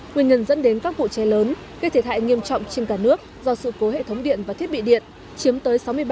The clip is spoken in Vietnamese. nguyên nhân dẫn đến các vụ cháy lớn gây thiệt hại nghiêm trọng trên cả nước do sự cố hệ thống điện và thiết bị điện chiếm tới sáu mươi ba